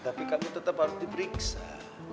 tapi kamu tetep harus diperiksa